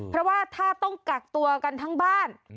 เพราะว่าถ้าต้องกักตัวกันทั้งบ้าน